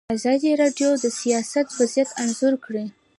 ازادي راډیو د سیاست وضعیت انځور کړی.